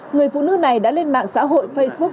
người phụ nữ này đã lên mạng xã hội facebook